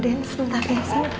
den sebentar ya